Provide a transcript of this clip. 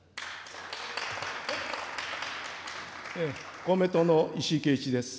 公明党の石井啓一です。